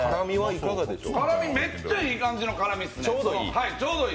辛み、めっちゃいい感じの辛みですね、ちょうどいい。